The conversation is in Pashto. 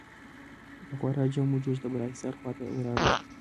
په خورا جم و جوش د بالاحصار خوا ته ولاړل.